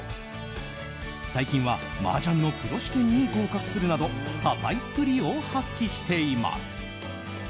最近は麻雀のプロ試験に合格するなど多才っぷりを発揮しています。